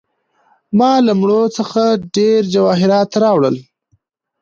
ما له مړو څخه ډیر جواهرات راوړل.